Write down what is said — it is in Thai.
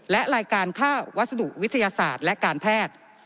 และรายการค่าวัสดุวิทยาศาสตร์และการแพทย์